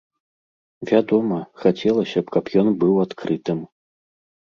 Вядома, хацелася б, каб ён быў адкрытым.